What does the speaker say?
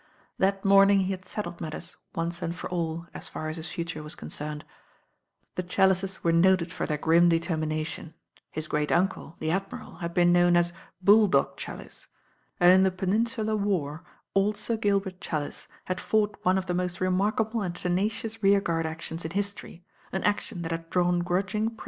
That morning he had settled matters once and for an as far as his future was concerned. The Chal lices were noted for their grim determination. His f rut' ^^f ^^^"''^'^ hcen known a. "BuU dog ChaUicc,; and in the Peninsular war old Sir Gilbert ChaUice had fought one of the most remark able and tenacious rearguard actions in history, an ;rntsel^^^^ ^^^«^""^ Na.